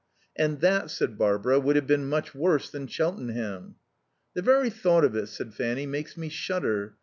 "And that," said Barbara, "would have been much worse than Cheltenham." "The very thought of it," said Fanny, "makes me shudder.